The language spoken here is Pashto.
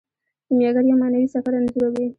کیمیاګر یو معنوي سفر انځوروي.